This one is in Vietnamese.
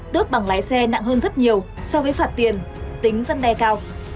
tước bằng lái xe nặng hơn rất nhiều so với phạt tiền tính dân đe cao